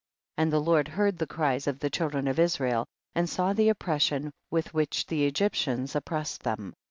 15. And the Lord heard the cries of the children of Israel, and saw the oppression with which the Egyptians oppressed them.